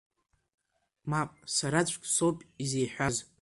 Мап, сараӡәк соуп изеиҳәаз.